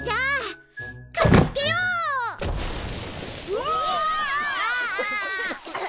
うわ！